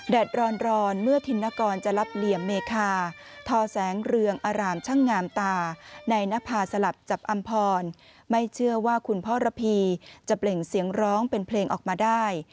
ร้อนเมื่อธินกรจะรับเหลี่ยมเมคาทอแสงเรืองอารามช่างงามตานายนภาสลับจับอำพรไม่เชื่อว่าคุณพ่อระพีจะเปล่งเสียงร้องเป็นเพลงออกมาได้